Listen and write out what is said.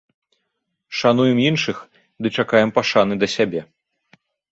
Шануем іншых ды чакаем пашаны да сябе.